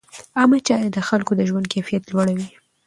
عامه چارې د خلکو د ژوند کیفیت لوړوي.